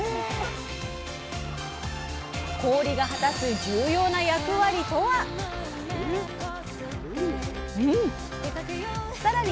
氷が果たす重要な役割とは⁉さらに